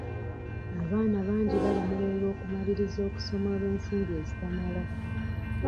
Abaana bangi balemererwa okumaliriza okusoma olw'ensimbi ezitamala.